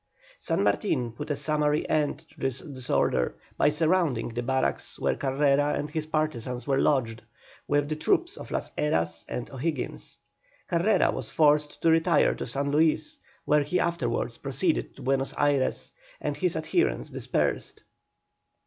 San Martin put a summary end to this disorder, by surrounding the barracks where Carrera and his partisans were lodged, with the troops of Las Heras and O'Higgins. Carrera was forced to retire to San Luis, whence he afterwards proceeded to Buenos Ayres, and his adherents dispersed.